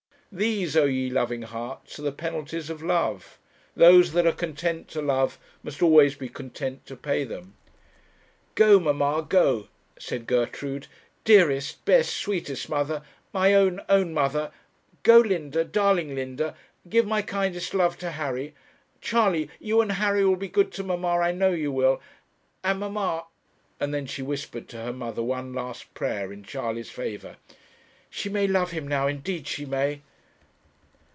These, O ye loving hearts, are the penalties of love! Those that are content to love must always be content to pay them. 'Go, mamma, go,' said Gertrude; 'dearest, best, sweetest mother my own, own mother; go, Linda, darling Linda. Give my kindest love to Harry Charley, you and Harry will be good to mamma, I know you will. And mamma' and then she whispered to her mother one last prayer in Charley's favour 'she may love him now, indeed she may.'